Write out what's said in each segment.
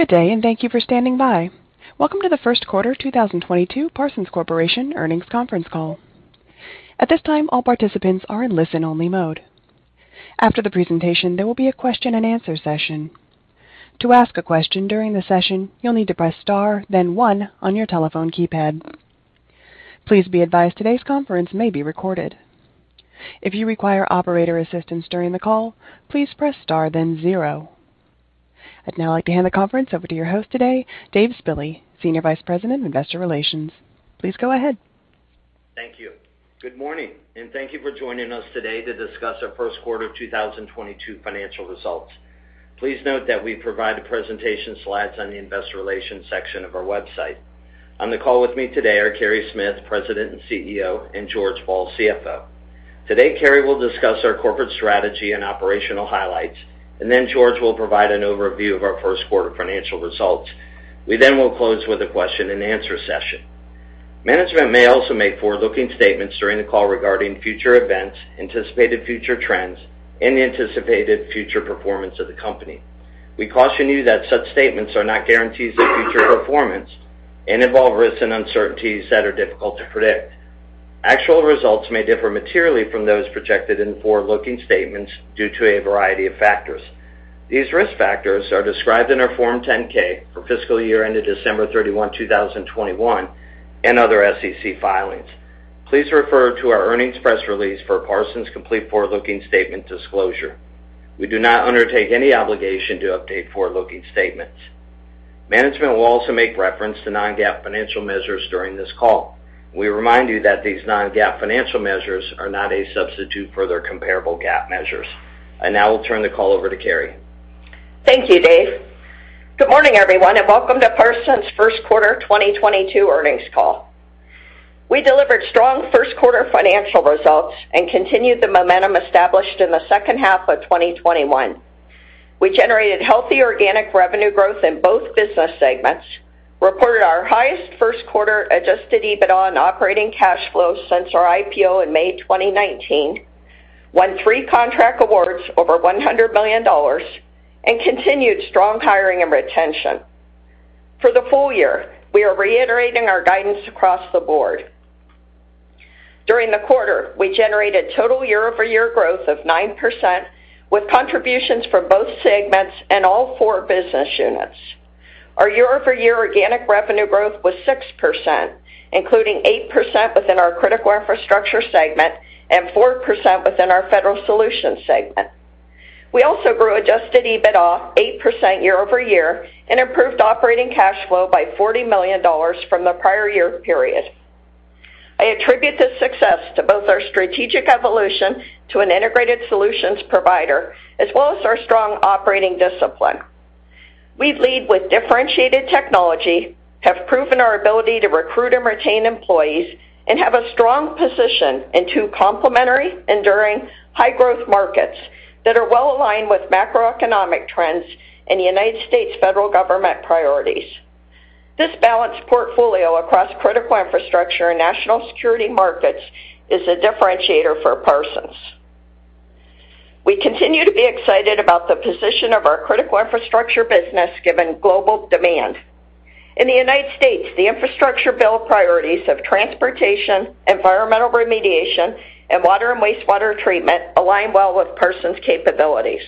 Good day, and thank you for standing by. Welcome to the Q1 2022 Parsons Corporation earnings conference call. At this time, all participants are in listen-only mode. After the presentation, there will be a question-and-answer session. To ask a question during the session, you'll need to press Star, then one on your telephone keypad. Please be advised today's conference may be recorded. If you require operator assistance during the call, please press Star, then zero. I'd now like to hand the conference over to your host today, Dave Spille, Senior Vice President of Investor Relations. Please go ahead. Thank you. Good morning, and thank you for joining us today to discuss our Q1 2022 financial results. Please note that we provide the presentation slides on the investor relations section of our website. On the call with me today are Carey Smith, President and CEO, and George Ball, CFO. Today, Carey will discuss our corporate strategy and operational highlights, and then George will provide an overview of our Q1 2022 financial results. We then will close with a question-and-answer session. Management may also make forward-looking statements during the call regarding future events, anticipated future trends, and anticipated future performance of the company. We caution you that such statements are not guarantees of future performance and involve risks and uncertainties that are difficult to predict. Actual results may differ materially from those projected in forward-looking statements due to a variety of factors. These risk factors are described in our Form 10-K for fiscal year ended December 31, 2021 and other SEC filings. Please refer to our earnings press release for Parsons' complete forward-looking statement disclosure. We do not undertake any obligation to update forward-looking statements. Management will also make reference to non-GAAP financial measures during this call. We remind you that these non-GAAP financial measures are not a substitute for their comparable GAAP measures. I now will turn the call over to Carey. Thank you, Dave. Good morning, everyone, and welcome to Parsons' Q1 2022 earnings call. We delivered strong Q1 financial results and continued the momentum established in the second half of 2021. We generated healthy organic revenue growth in both business segments, reported our highest Q1 adjusted EBITDA and operating cash flow since our IPO in May 2019, won three contract awards over $100 million, and continued strong hiring and retention. For the full year, we are reiterating our guidance across the board. During the quarter, we generated total year-over-year growth of 9% with contributions from both segments and all four business units. Our year-over-year organic revenue growth was 6%, including 8% within our Critical Infrastructure segment and 4% within our Federal Solutions segment. We also grew adjusted EBITDA 8% year-over-year and improved operating cash flow by $40 million from the prior year period. I attribute this success to both our strategic evolution to an integrated solutions provider as well as our strong operating discipline. We lead with differentiated technology, have proven our ability to recruit and retain employees, and have a strong position in two complementary, enduring, high-growth markets that are well aligned with macroeconomic trends and United States federal government priorities. This balanced portfolio across Critical Infrastructure and national security markets is a differentiator for Parsons. We continue to be excited about the position of our Critical Infrastructure business given global demand. In the United States, the infrastructure bill priorities of transportation, environmental remediation, and water and wastewater treatment align well with Parsons' capabilities.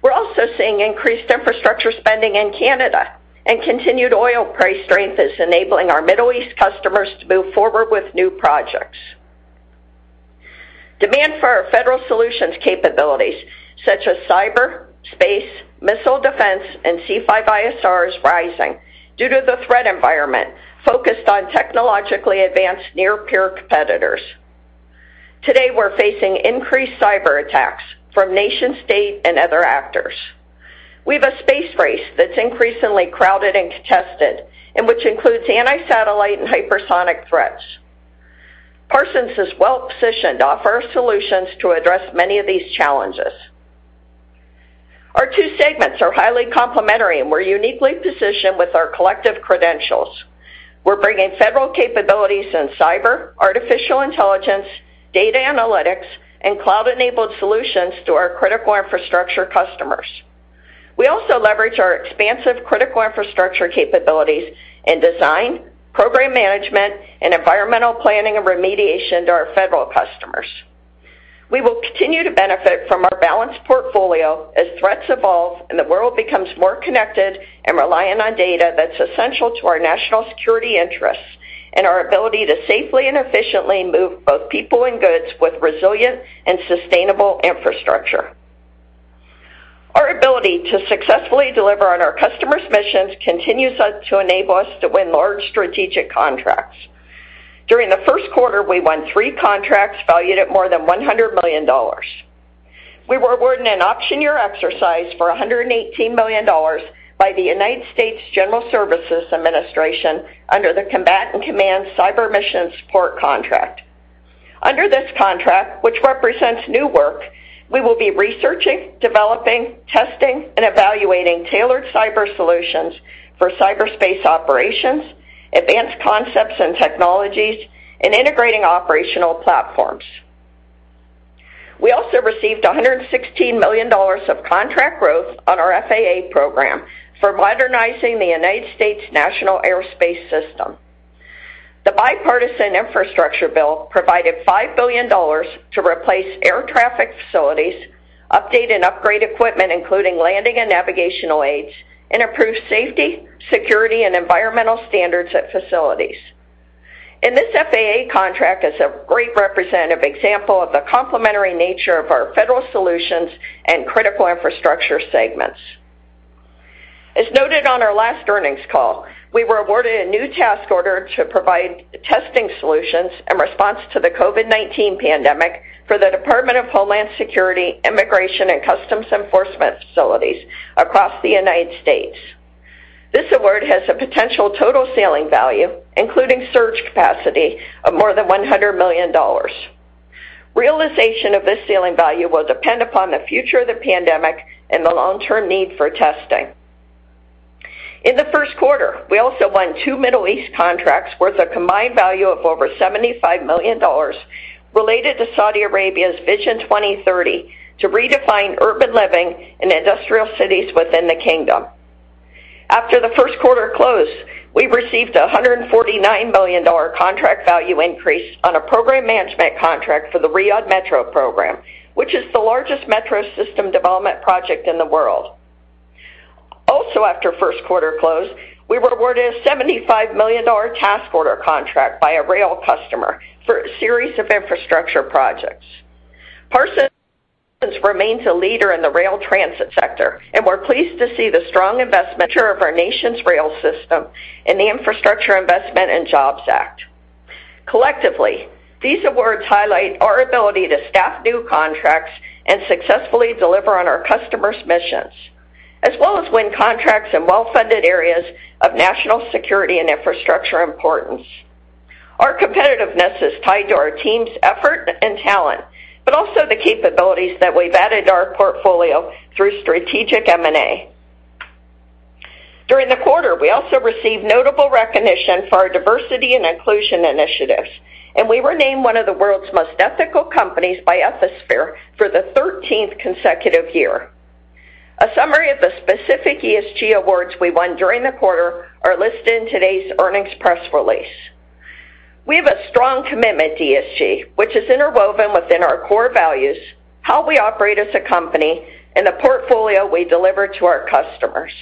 We're also seeing increased infrastructure spending in Canada and continued oil price strength is enabling our Middle East customers to move forward with new projects. Demand for our federal solutions capabilities, such as cyber, space, missile defense, and C5ISR, is rising due to the threat environment focused on technologically advanced near-peer competitors. Today, we're facing increased cyberattacks from nation-state and other actors. We have a space race that's increasingly crowded and contested, and which includes anti-satellite and hypersonic threats. Parsons is well positioned to offer solutions to address many of these challenges. Our two segments are highly complementary, and we're uniquely positioned with our collective credentials. We're bringing federal capabilities in cyber, artificial intelligence, data analytics, and cloud-enabled solutions to our critical infrastructure customers. We also leverage our expansive critical infrastructure capabilities in design, program management, and environmental planning and remediation to our federal customers. We will continue to benefit from our balanced portfolio as threats evolve and the world becomes more connected and reliant on data that's essential to our national security interests and our ability to safely and efficiently move both people and goods with resilient and sustainable infrastructure. Our ability to successfully deliver on our customers' missions continues to enable us to win large strategic contracts. During the Q1, we won three contracts valued at more than $100 million. We were awarded an option year exercise for $118 million by the United States General Services Administration under the Combatant Command Cyber Mission Support contract. Under this contract, which represents new work, we will be researching, developing, testing, and evaluating tailored cyber solutions for cyberspace operations, advanced concepts and technologies, and integrating operational platforms. We also received $116 million of contract growth on our FAA program for modernizing the United States National Airspace System. The bipartisan infrastructure bill provided $5 billion to replace air traffic facilities, update and upgrade equipment, including landing and navigational aids, and improve safety, security, and environmental standards at facilities. This FAA contract is a great representative example of the complementary nature of our federal solutions and critical infrastructure segments. As noted on our last earnings call, we were awarded a new task order to provide testing solutions in response to the COVID-19 pandemic for the Department of Homeland Security, Immigration and Customs Enforcement facilities across the United States. This award has a potential total ceiling value, including surge capacity of more than $100 million. Realization of this ceiling value will depend upon the future of the pandemic and the long-term need for testing. In the Q1, we also won two Middle East contracts worth a combined value of over $75 million related to Saudi Vision 2030 to redefine urban living in industrial cities within the kingdom. After the Q1 close, we received a $149 million contract value increase on a program management contract for the Riyadh Metro program, which is the largest metro system development project in the world. Also, after Q1 close, we were awarded a $75 million task order contract by a rail customer for a series of infrastructure projects. Parsons remains a leader in the rail transit sector, and we're pleased to see the strong investment of our nation's rail system in the Infrastructure Investment and Jobs Act. Collectively, these awards highlight our ability to staff new contracts and successfully deliver on our customers' missions, as well as win contracts in well-funded areas of national security and infrastructure importance. Our competitiveness is tied to our team's effort and talent, but also the capabilities that we've added to our portfolio through strategic M&A. During the quarter, we also received notable recognition for our diversity and inclusion initiatives, and we were named one of the world's most ethical companies by Ethisphere for the thirteenth consecutive year. A summary of the specific ESG awards we won during the quarter are listed in today's earnings press release. We have a strong commitment to ESG, which is interwoven within our core values, how we operate as a company, and the portfolio we deliver to our customers.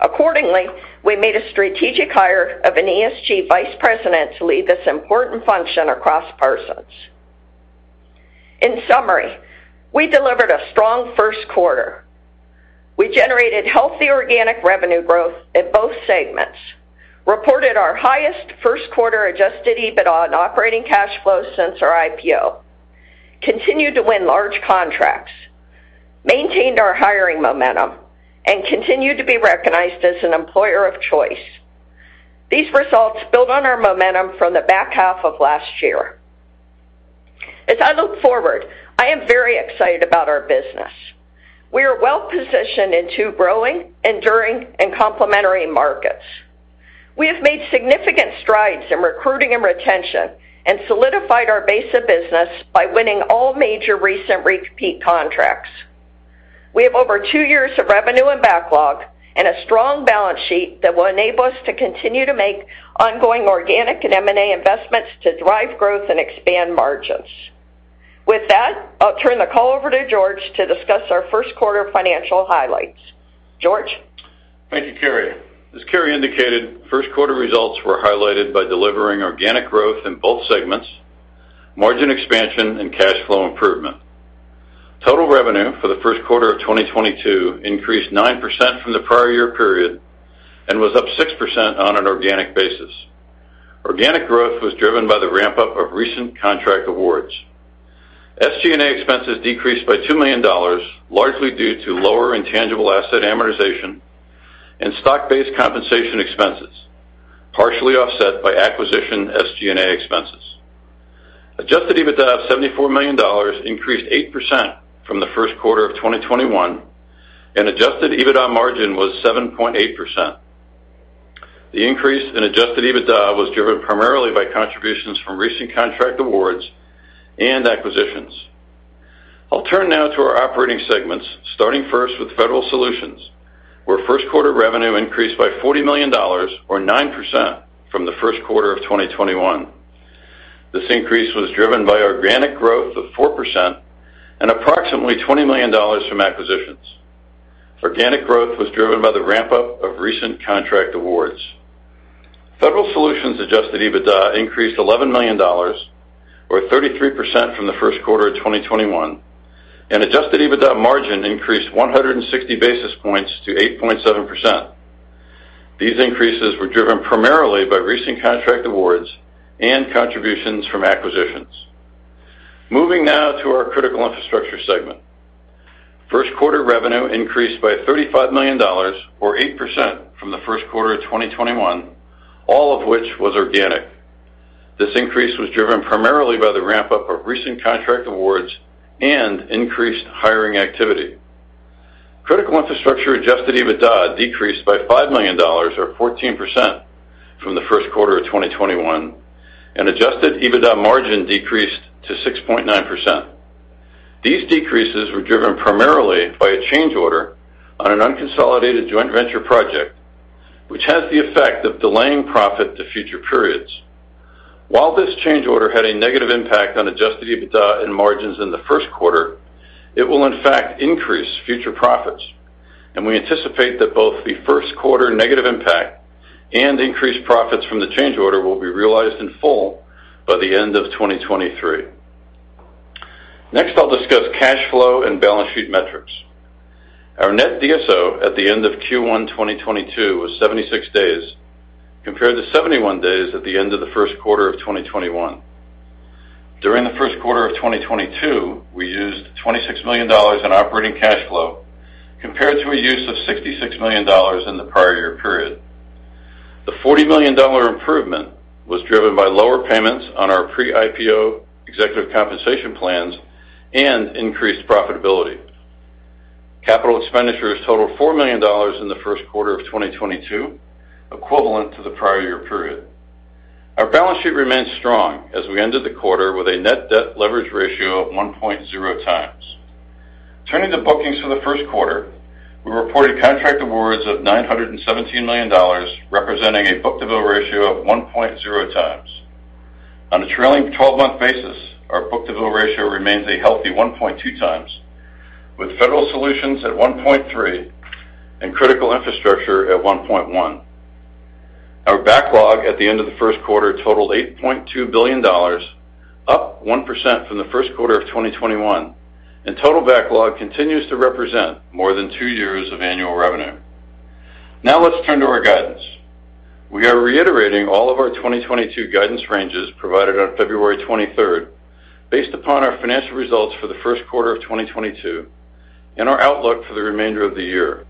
Accordingly, we made a strategic hire of an ESG vice president to lead this important function across Parsons. In summary, we delivered a strong Q1 We generated healthy organic revenue growth in both segments, reported our highest Q1 adjusted EBITDA and operating cash flow since our IPO, continued to win large contracts, maintained our hiring momentum, and continued to be recognized as an employer of choice. These results build on our momentum from the back half of last year. As I look forward, I am very excited about our business. We are well positioned in two growing, enduring, and complementary markets. We have made significant strides in recruiting and retention and solidified our base of business by winning all major recent repeat contracts. We have over two years of revenue and backlog and a strong balance sheet that will enable us to continue to make ongoing organic and M&A investments to drive growth and expand margins. With that, I'll turn the call over to George to discuss our Q1 financial highlights. George? Thank you, Carey. As Carey indicated, Q1 results were highlighted by delivering organic growth in both segments, margin expansion, and cash flow improvement. Total revenue for the Q1 of 2022 increased 9% from the prior year period and was up 6% on an organic basis. Organic growth was driven by the ramp-up of recent contract awards. SG&A expenses decreased by $2 million, largely due to lower intangible asset amortization and stock-based compensation expenses, partially offset by acquisition SG&A expenses. Adjusted EBITDA of $74 million increased 8% from the Q1 of 2021, and adjusted EBITDA margin was 7.8%. The increase in adjusted EBITDA was driven primarily by contributions from recent contract awards and acquisitions. I'll turn now to our operating segments, starting first with Federal Solutions, where Q1 revenue increased by $40 million or 9% from the Q1 of 2021. This increase was driven by organic growth of 4% and approximately $20 million from acquisitions. Organic growth was driven by the ramp-up of recent contract awards. Federal Solutions adjusted EBITDA increased $11 million or 33% from the Q1 of 2021, and adjusted EBITDA margin increased 160 basis points to 8.7%. These increases were driven primarily by recent contract awards and contributions from acquisitions. Moving now to our Critical Infrastructure segment.Q1 revenue increased by $35 million or 8% from the Q1 of 2021, all of which was organic. This increase was driven primarily by the ramp-up of recent contract awards and increased hiring activity. Critical Infrastructure adjusted EBITDA decreased by $5 million or 14% from the Q1 of 2021, and adjusted EBITDA margin decreased to 6.9%. These decreases were driven primarily by a change order on an unconsolidated joint venture project, which has the effect of delaying profit to future periods. While this change order had a negative impact on adjusted EBITDA and margins in the Q1 ,it will in fact increase future profits. We anticipate that both the Q1 negative impact and increased profits from the change order will be realized in full by the end of 2023. Next, I'll discuss cash flow and balance sheet metrics. Our net DSO at the end of Q1 2022 was 76 days, compared to 71 days at the end of the Q1 of 2021. During the Q1 of 2022, we used $26 million in operating cash flow compared to a use of $66 million in the prior year period. The $40 million improvement was driven by lower payments on our pre-IPO executive compensation plans and increased profitability. Capital expenditures totaled $4 million in the Q1 of 2022, equivalent to the prior year period. Our balance sheet remains strong as we ended the quarter with a net debt leverage ratio of 1.0x. Turning to bookings for the first quarter, we reported contract awards of $917 million, representing a book-to-bill ratio of 1.0x. On a trailing twelve-month basis, our book-to-bill ratio remains a healthy 1.2 times, with Federal Solutions at 1.3 and Critical Infrastructure at 1.1. Our backlog at the end of the Q1 totaled $8.2 billion, up 1% from the Q1 of 2021, and total backlog continues to represent more than 2 years of annual revenue. Now let's turn to our guidance. We are reiterating all of our 2022 guidance ranges provided on February 23rd based upon our financial results for the Q1 of 2022 and our outlook for the remainder of the year.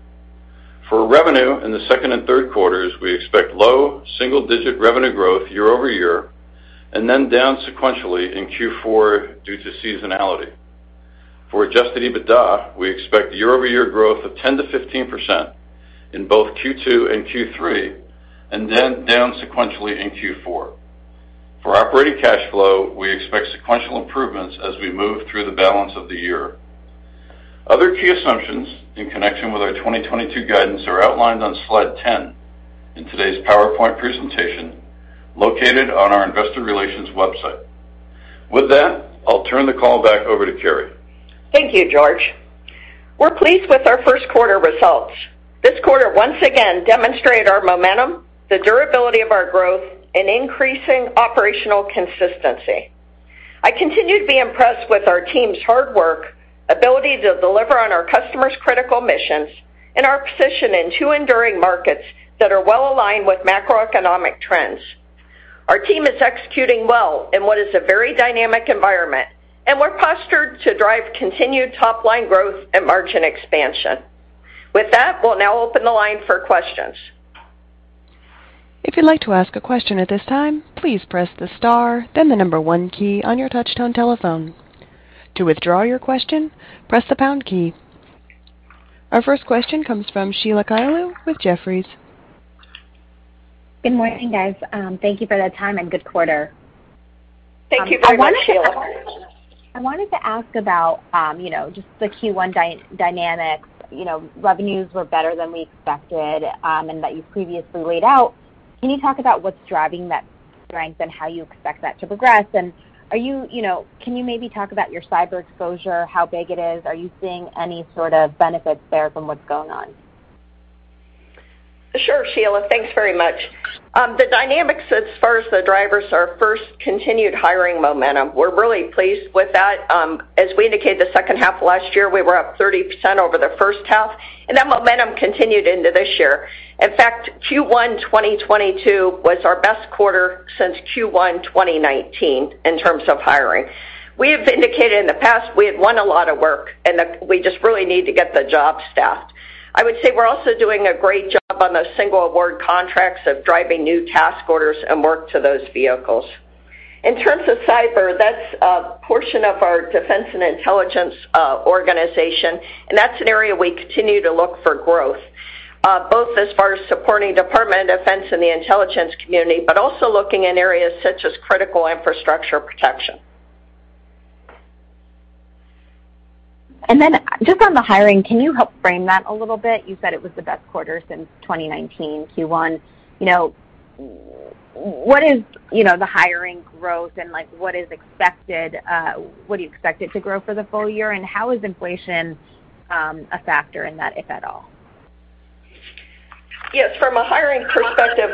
For revenue in the second and Q3, we expect low single-digit revenue growth year-over-year and then down sequentially in Q4 due to seasonality. For adjusted EBITDA, we expect year-over-year growth of 10%-15% in both Q2 and Q3 and then down sequentially in Q4. For operating cash flow, we expect sequential improvements as we move through the balance of the year. Other key assumptions in connection with our 2022 guidance are outlined on slide 10 in today's PowerPoint presentation located on our investor relations website. With that, I'll turn the call back over to Carey. Thank you, George. We're pleased with our Q1 results. This quarter once again demonstrated our momentum, the durability of our growth, and increasing operational consistency. I continue to be impressed with our team's hard work, ability to deliver on our customers' critical missions, and our position in two enduring markets that are well aligned with macroeconomic trends. Our team is executing well in what is a very dynamic environment, and we're postured to drive continued top-line growth and margin expansion. With that, we'll now open the line for questions. If you'd like to ask a question at this time, please press the star, then the 1 key on your touch-tone telephone. To withdraw your question, press the pound key. Our first question comes from Sheila Kahyaoglu with Jefferies. Good morning, guys. Thank you for the time and good quarter. Thank you very much, Sheila. I wanted to ask about just the Q1 dynamics. You know, revenues were better than we expected, and that you previously laid out. Can you talk about what's driving that strength and how you expect that to progress? Are can you maybe talk about your cyber exposure, how big it is? Are you seeing any sort of benefits there from what's going on? Sure, Sheila. Thanks very much. The dynamics as far as the drivers are first continued hiring momentum. We're really pleased with that. As we indicated the second half of last year, we were up 30% over the first half, and that momentum continued into this year. In fact, Q1 2022 was our best quarter since Q1 2019 in terms of hiring. We have indicated in the past we had won a lot of work and that we just really need to get the job staffed. I would say we're also doing a great job on the single award contracts of driving new task orders and work to those vehicles. In terms of cyber, that's a portion of our defense and intelligence organization, and that's an area we continue to look for growth, both as far as supporting Department of Defense and the intelligence community, but also looking in areas such as Critical Infrastructure protection. Just on the hiring, can you help frame that a little bit? You said it was the best quarter since 2019 Q1. You know, what is the hiring growth and, like, what is expected, what do you expect it to grow for the full year, and how is inflation a factor in that, if at all? Yes. From a hiring perspective,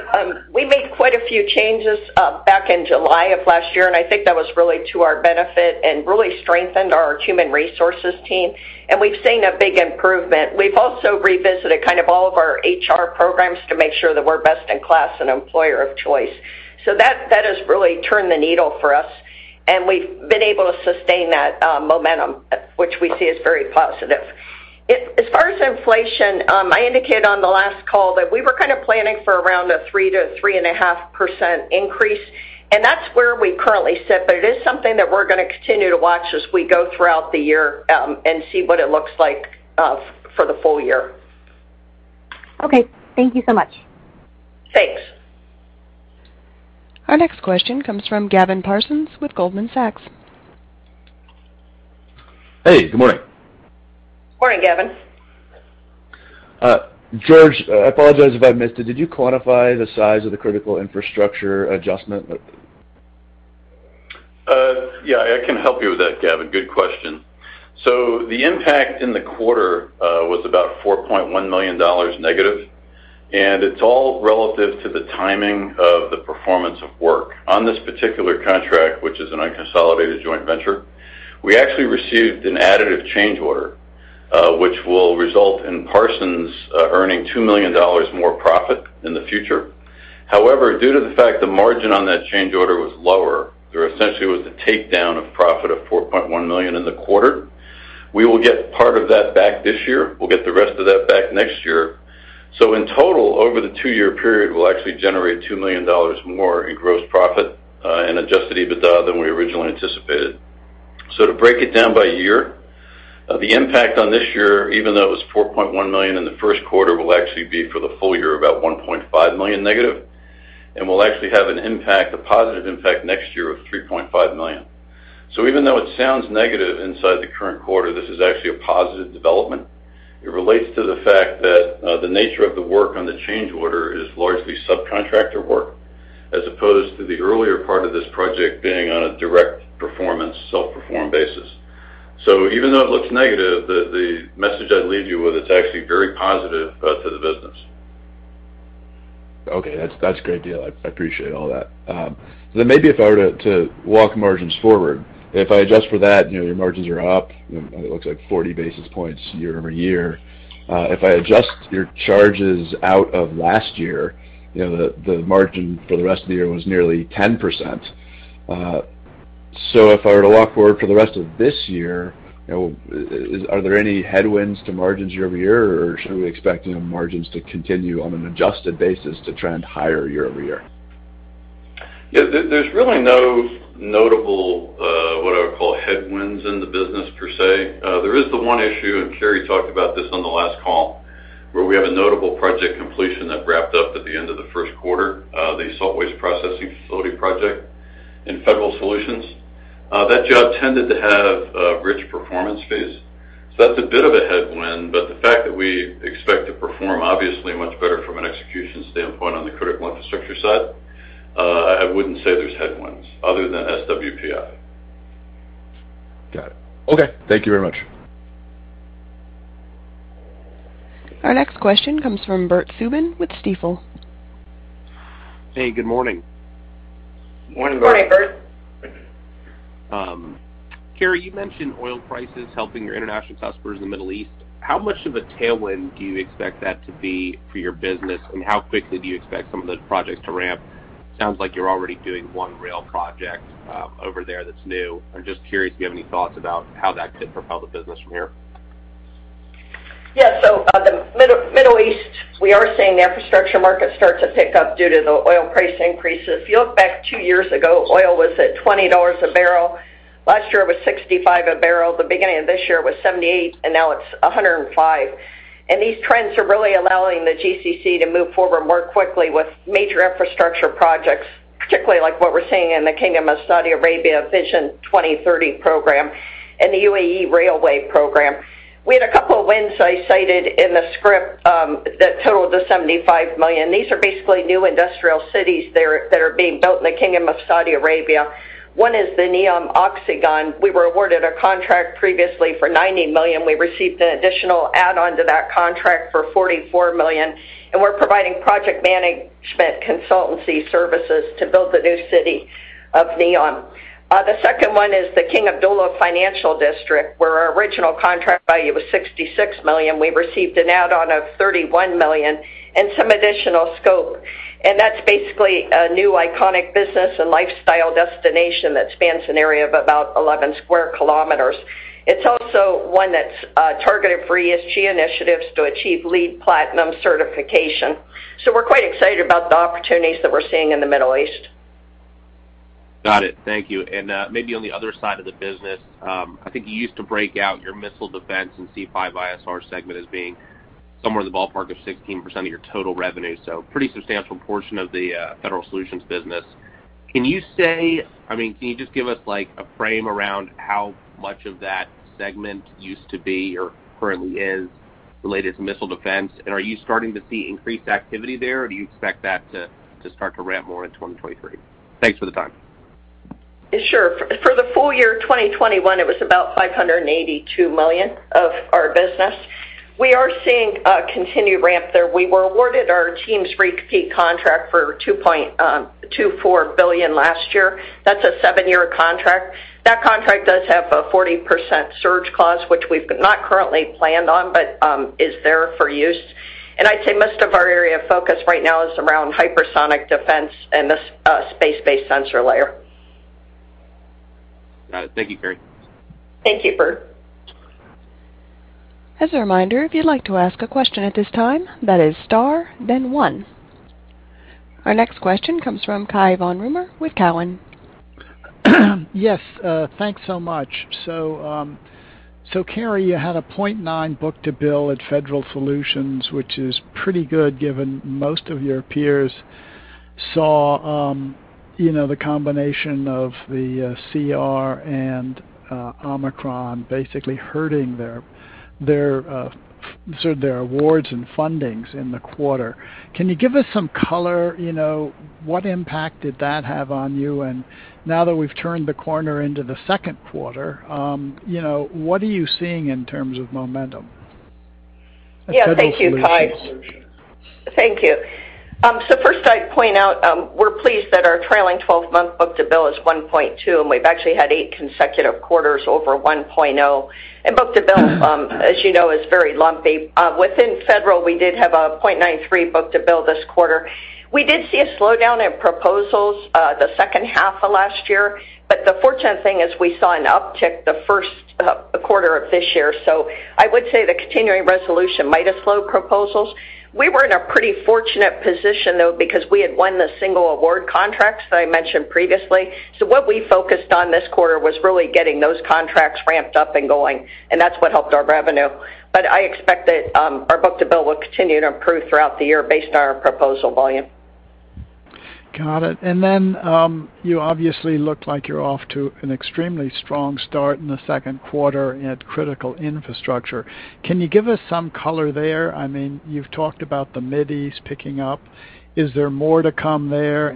we made quite a few changes back in July of last year, and I think that was really to our benefit and really strengthened our human resources team, and we've seen a big improvement. We've also revisited kind of all of our HR programs to make sure that we're best in class and employer of choice. That has really turned the needle for us, and we've been able to sustain that momentum, which we see as very positive. As far as inflation, I indicated on the last call that we were kind of planning for around a 3%-3.5% increase. That's where we currently sit, but it is something that we're gonna continue to watch as we go throughout the year and see what it looks like for the full year. Okay. Thank you so much. Thanks. Our next question comes from Gavin Parsons with Goldman Sachs. Hey, good morning. Morning, Gavin. George, I apologize if I missed it. Did you quantify the size of the Critical Infrastructure adjustment? Yeah, I can help you with that, Gavin. Good question. The impact in the quarter was about $4.1 million negative, and it's all relative to the timing of the performance of work. On this particular contract, which is an unconsolidated joint venture, we actually received an additive change order, which will result in Parsons earning $2 million more profit in the future. However, due to the fact the margin on that change order was lower, there essentially was a takedown of profit of $4.1 million in the quarter. We will get part of that back this year. We'll get the rest of that back next year. In total, over the two-year period, we'll actually generate $2 million more in gross profit and adjusted EBITDA than we originally anticipated. To break it down by year, the impact on this year, even though it was $4.1 million in the Q1, will actually be for the full year about $1.5 million negative. We'll actually have an impact, a positive impact next year of $3.5 million. Even though it sounds negative inside the current quarter, this is actually a positive development. It relates to the fact that, the nature of the work on the change order is largely subcontractor work, as opposed to the earlier part of this project being on a direct performance, self-perform basis. Even though it looks negative, the message I'd leave you with, it's actually very positive to the business. Okay. That's a great deal. I appreciate all that. Maybe if I were to walk margins forward, if I adjust for that, your margins are up. It looks like 40 basis points year-over-year. If I adjust your charges out of last year, the margin for the rest of the year was nearly 10%. If I were to walk forward for the rest of this year, are there any headwinds to margins year-over-year? Or should we expect, margins to continue on an adjusted basis to trend higher year-over-year? Yeah. There's really no notable what I would call headwinds in the business per se. There is the one issue, and Carey talked about this on the last call, where we have a notable project completion that wrapped up at the end of the Q1 the Salt Waste Processing Facility project in Federal Solutions. That job tended to have a rich performance phase. That's a bit of a headwind, but the fact that we expect to perform obviously much better from an execution standpoint on the Critical Infrastructure side, I wouldn't say there's headwinds other than SWPF. Got it. Okay. Thank you very much. Our next question comes from Bert Subin with Stifel. Hey, good morning. Morning, Bert. Morning. Carey, you mentioned oil prices helping your international customers in the Middle East. How much of a tailwind do you expect that to be for your business? How quickly do you expect some of those projects to ramp? Sounds like you're already doing one rail project over there that's new. I'm just curious if you have any thoughts about how that could propel the business from here. Yeah. The Middle East, we are seeing the infrastructure market start to pick up due to the oil price increases. If you look back two years ago, oil was at $20 a barrel. Last year, it was $65 a barrel. The beginning of this year, it was $78, and now it's $105. These trends are really allowing the GCC to move forward more quickly with major infrastructure projects, particularly like what we're seeing in the Kingdom of Saudi Arabia Vision 2030 program and the UAE railway program. We had a couple of wins I cited in the script that totaled to $75 million. These are basically new industrial cities there that are being built in the Kingdom of Saudi Arabia. One is the NEOM Oxagon. We were awarded a contract previously for $90 million. We received an additional add-on to that contract for $44 million, and we're providing project management consultancy services to build the new city of NEOM. The second one is the King Abdullah Financial District, where our original contract value was $66 million. We received an add-on of $31 million and some additional scope. That's basically a new iconic business and lifestyle destination that spans an area of about 11 square kilometers. It's also one that's targeted for ESG initiatives to achieve LEED Platinum certification. We're quite excited about the opportunities that we're seeing in the Middle East. Got it. Thank you. Maybe on the other side of the business, I think you used to break out your missile defense and C5ISR segment as being somewhere in the ballpark of 16% of your total revenue, so pretty substantial portion of the Federal Solutions business. Can you just give us, like, a frame around how much of that segment used to be or currently is related to missile defense? Are you starting to see increased activity there, or do you expect that to start to ramp more in 2023? Thanks for the time. Sure. For the full year 2021, it was about $582 million of our business. We are seeing a continued ramp there. We were awarded our team's repeat contract for $2.24 billion last year. That's a seven-year contract. That contract does have a 40% surge clause, which we've not currently planned on, but is there for use. I'd say most of our area of focus right now is around hypersonic defense and the space-based sensor layer. Thank you, Carey. Thank you, Burt. As a reminder, if you'd like to ask a question at this time, that is star then one. Our next question comes from Gautam Khanna with Cowen. Yes, thanks so much. Carey, you had a 0.9 book-to-bill at Federal Solutions, which is pretty good given most of your peers saw, the combination of the CR and Omicron basically hurting their awards and fundings in the quarter. Can you give us some color, what impact did that have on you? Now that we've turned the corner into the Q2, what are you seeing in terms of momentum at Federal Solutions? Yeah. Thank you, Gautam Khanna. Thank you. First I'd point out, we're pleased that our trailing 12-month book-to-bill is 1.2, and we've actually had 8 consecutive quarters over 1.0. Book-to-bill, as you is very lumpy. Within Federal, we did have a 0.93 book-to-bill this quarter. We did see a slowdown in proposals, the second half of last year, but the fortunate thing is we saw an uptick the Q1 of this year. I would say the continuing resolution might have slowed proposals. We were in a pretty fortunate position, though, because we had won the single award contracts that I mentioned previously. What we focused on this quarter was really getting those contracts ramped up and going, and that's what helped our revenue. I expect that our book-to-bill will continue to improve throughout the year based on our proposal volume. Got it. You obviously look like you're off to an extremely strong start in the Q2 at Critical Infrastructure. Can you give us some color there? I mean, you've talked about the Middle East picking up. Is there more to come there?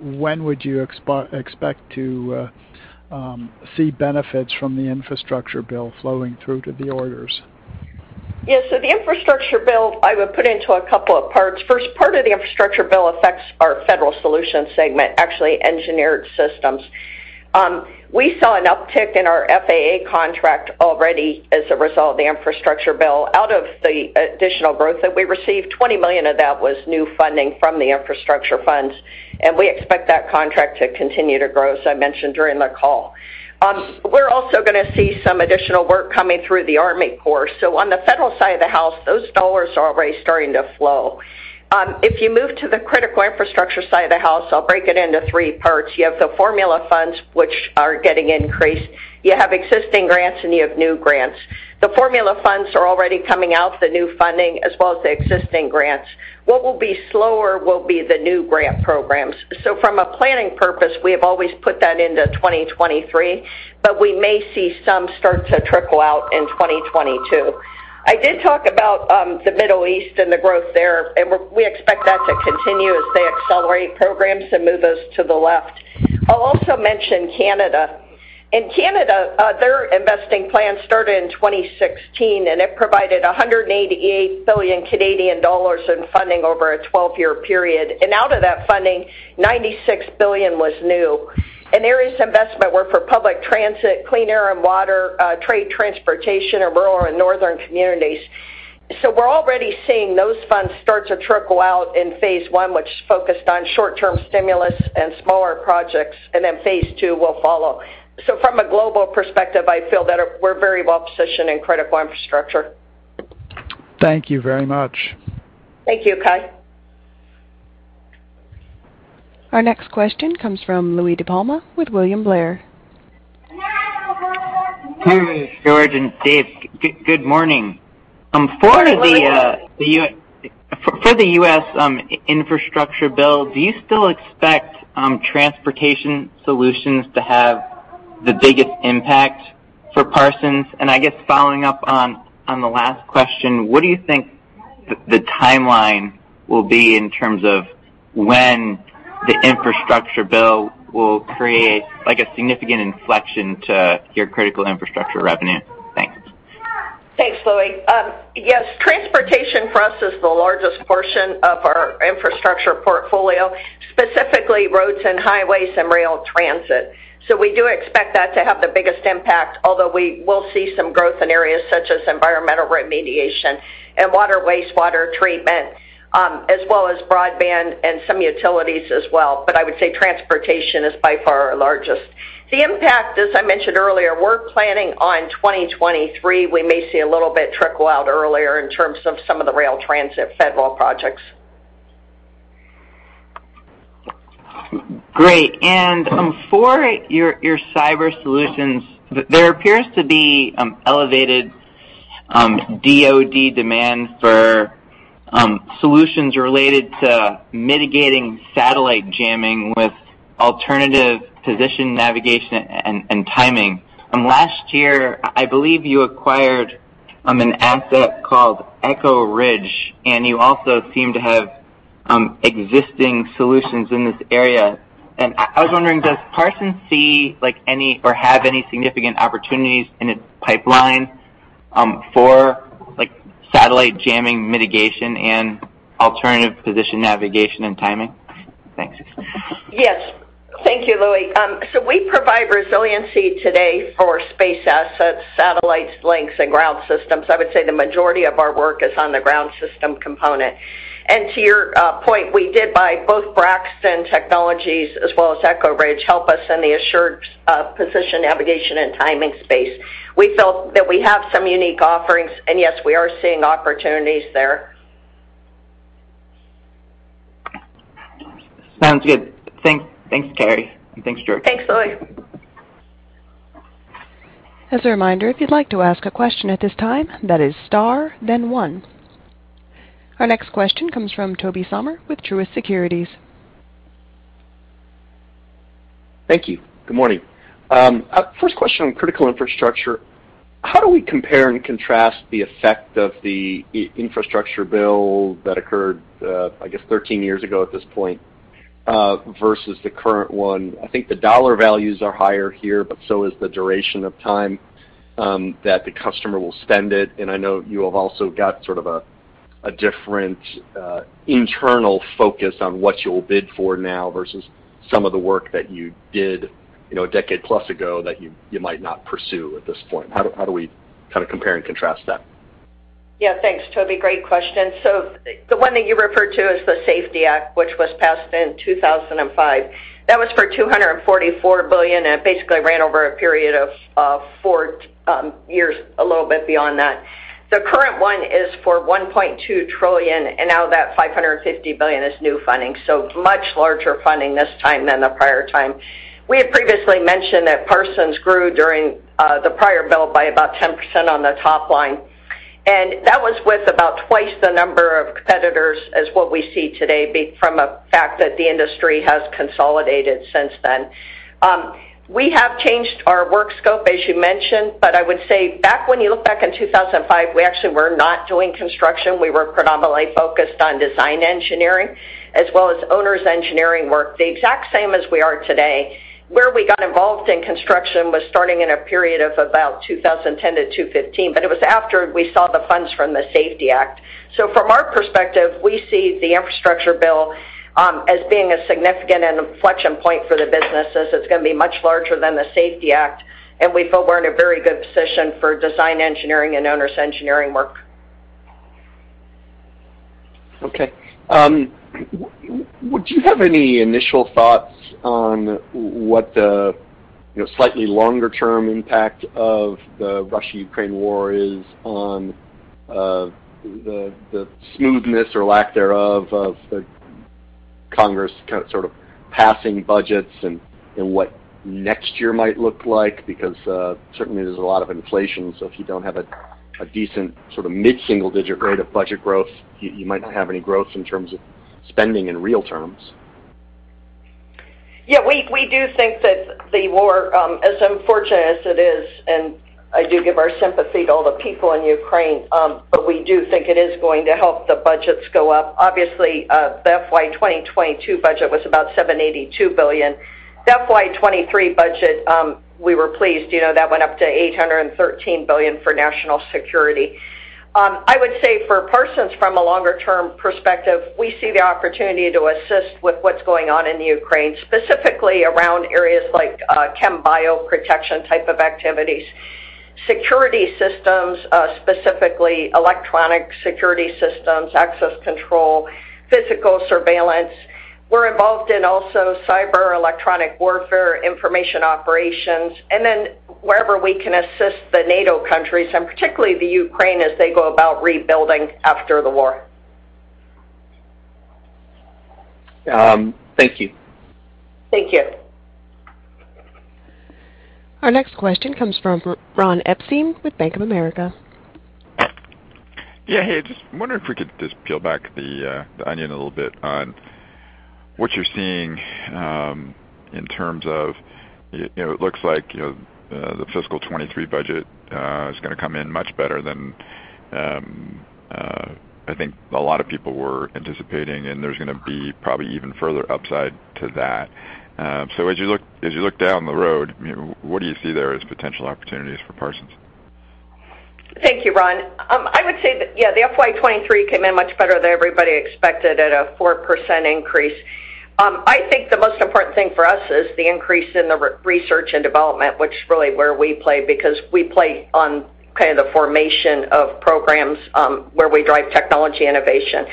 When would you expect to see benefits from the infrastructure bill flowing through to the orders? Yes. The infrastructure bill, I would put into a couple of parts. First part of the infrastructure bill affects our Federal Solutions segment, actually Engineered Systems. We saw an uptick in our FAA contract already as a result of the infrastructure bill. Out of the additional growth that we received, $20 million of that was new funding from the infrastructure funds, and we expect that contract to continue to grow, as I mentioned during the call. We're also gonna see some additional work coming through the Army Corps. On the federal side of the house, those dollars are already starting to flow. If you move to the critical infrastructure side of the house, I'll break it into three parts. You have the formula funds, which are getting increased. You have existing grants, and you have new grants. The formula funds are already coming out, the new funding as well as the existing grants. What will be slower will be the new grant programs. From a planning purpose, we have always put that into 2023, but we may see some start to trickle out in 2022. I did talk about the Middle East and the growth there, and we expect that to continue as they accelerate programs and move us to the left. I'll also mention Canada. In Canada, their investing plan started in 2016, and it provided 188 billion Canadian dollars in funding over a 12-year period. Out of that funding, 96 billion was new. Areas of investment were for public transit, clean air and water, trade, transportation in rural and northern communities. We're already seeing those funds start to trickle out in phase one, which is focused on short-term stimulus and smaller projects, and then phase two will follow. From a global perspective, I feel that we're very well positioned in Critical Infrastructure. Thank you very much. Thank you, Gautam Khanna. Our next question comes from Louie DiPalma with William Blair. George and Dave, good morning. For the U.S. infrastructure bill, do you still expect transportation solutions to have the biggest impact for Parsons? I guess following up on the last question, what do you think the timeline will be in terms of when the infrastructure bill will create, like, a significant inflection to your Critical Infrastructure revenue? Thanks. Thanks, Louie. Yes, transportation for us is the largest portion of our infrastructure portfolio, specifically roads and highways and rail transit. We do expect that to have the biggest impact, although we will see some growth in areas such as environmental remediation and water, wastewater treatment, as well as broadband and some utilities as well. I would say transportation is by far our largest. The impact, as I mentioned earlier, we're planning on 2023. We may see a little bit trickle out earlier in terms of some of the rail transit federal projects. Great. For your cyber solutions, there appears to be elevated DoD demand for solutions related to mitigating satellite jamming with alternative position navigation and timing. Last year, I believe you acquired an asset called Echo Ridge, and you also seem to have existing solutions in this area. I was wondering, does Parsons see like any or have any significant opportunities in its pipeline for like satellite jamming mitigation and alternative position navigation and timing? Thanks. Yes. Thank you, Louie. We provide resiliency today for space assets, satellites, links, and ground systems. I would say the majority of our work is on the ground system component. To your point, we did buy both Braxton Science & Technology Group as well as Echo Ridge help us in the assured position, navigation, and timing space. We felt that we have some unique offerings, and yes, we are seeing opportunities there. Sounds good. Thanks, Carey, and thanks, George. Thanks, Louie. As a reminder, if you'd like to ask a question at this time, that is star then one. Our next question comes from Tobey Sommer with Truist Securities. Thank you. Good morning. First question on critical infrastructure. How do we compare and contrast the effect of the infrastructure bill that occurred, I guess 13 years ago at this point, versus the current one? I think the dollar values are higher here, but so is the duration of time that the customer will spend it. I know you have also got sort of a different internal focus on what you'll bid for now versus some of the work that you did, a decade plus ago that you might not pursue at this point. How do we kinda compare and contrast that? Yeah. Thanks, Tobey. Great question. The one that you referred to is the Safety Act, which was passed in 2005. That was for $244 billion, and it basically ran over a period of four years, a little bit beyond that. The current one is for $1.2 trillion, and now that $550 billion is new funding, so much larger funding this time than the prior time. We had previously mentioned that Parsons grew during the prior bill by about 10% on the top line, and that was with about twice the number of competitors as what we see today due to the fact that the industry has consolidated since then. We have changed our work scope, as you mentioned, but I would say back when you look back in 2005, we actually were not doing construction. We were predominantly focused on design engineering as well as owner's engineering work, the exact same as we are today. Where we got involved in construction was starting in a period of about 2010 to 2015, but it was after we saw the funds from the Safety Act. From our perspective, we see the infrastructure bill as being a significant inflection point for the business as it's gonna be much larger than the Safety Act. We feel we're in a very good position for design engineering and owner's engineering work. Okay. Would you have any initial thoughts on what the, slightly longer term impact of the Russia-Ukraine war is on the smoothness or lack thereof of the Congress kind of, sort of passing budgets and what next year might look like? Because certainly there's a lot of inflation. If you don't have a decent sort of mid-single digit rate of budget growth, you might not have any growth in terms of spending in real terms. Yeah. We do think that the war, as unfortunate as it is, and I do give our sympathy to all the people in Ukraine, but we do think it is going to help the budgets go up. Obviously, the FY 2022 budget was about $782 billion. The FY 2023 budget, we were pleased. You know, that went up to $813 billion for national security. I would say for Parsons from a longer term perspective, we see the opportunity to assist with what's going on in Ukraine, specifically around areas like chem bio protection type of activities, security systems, specifically electronic security systems, access control, physical surveillance. We're involved in also cyber electronic warfare, information operations, and then wherever we can assist the NATO countries, and particularly the Ukraine as they go about rebuilding after the war. Thank you. Thank you. Our next question comes from Ron Epstein with Bank of America. Yeah. Hey, just wondering if we could just peel back the onion a little bit on what you're seeing in terms of it looks like, the fiscal 2023 budget is gonna come in much better than I think a lot of people were anticipating, and there's gonna be probably even further upside to that. As you look down the road, what do you see there as potential opportunities for Parsons? Thank you, Ron. I would say that, yeah, the FY 2023 came in much better than everybody expected at a 4% increase. I think the most important thing for us is the increase in the research and development, which is really where we play because we play on kind of the formation of programs, where we drive technology innovation.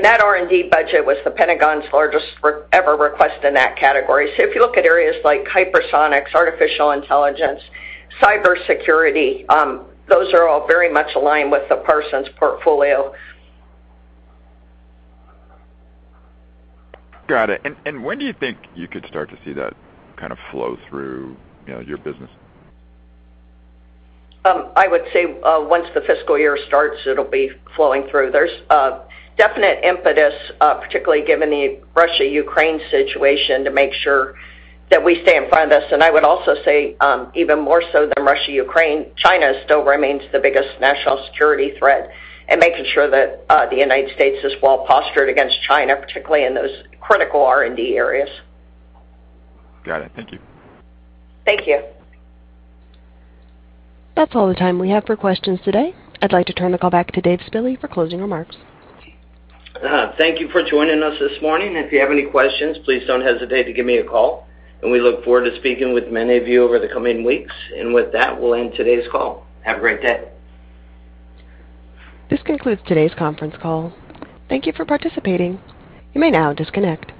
That R&D budget was the Pentagon's largest ever request in that category. If you look at areas like hypersonics, artificial intelligence, cybersecurity, those are all very much aligned with the Parsons portfolio. Got it. When do you think you could start to see that kind of flow through, your business? I would say, once the fiscal year starts, it'll be flowing through. There's a definite impetus, particularly given the Russia-Ukraine situation, to make sure that we stay in front of this. I would also say, even more so than Russia-Ukraine, China still remains the biggest national security threat and making sure that, the United States is well postured against China, particularly in those critical R&D areas. Got it. Thank you. Thank you. That's all the time we have for questions today. I'd like to turn the call back to Dave Spille for closing remarks. Thank you for joining us this morning. If you have any questions, please don't hesitate to give me a call, and we look forward to speaking with many of you over the coming weeks. With that, we'll end today's call. Have a great day. This concludes today's conference call. Thank you for participating. You may now disconnect.